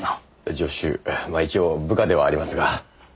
助手まあ一応部下ではありますが。